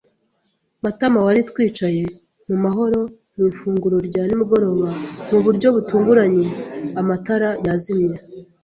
Matama wari twicaye mu mahoro mu ifunguro rya nimugoroba, mu buryo butunguranye amatara yazimye